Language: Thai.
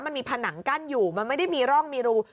มันมีผนังกั้นอยู่มันไม่ได้มีร่องมีรู